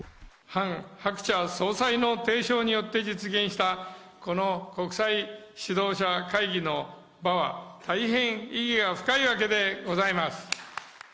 ハン・ハクチャ総裁の提唱によって実現した、この国際指導者会議の場は、大変意義が深いわけでございます。